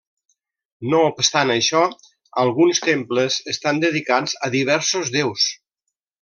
No obstant això, alguns temples estan dedicats a diversos déus.